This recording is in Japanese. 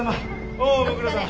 おおご苦労さま。